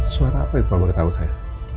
suara apa itu kalau boleh tahu saya